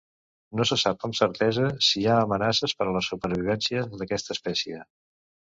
No se sap amb certesa si hi ha amenaces per a la supervivència d'aquesta espècie.